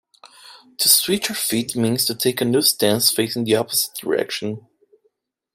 To switch your feet means to take a new stance facing the opposite direction.